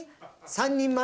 ３人前？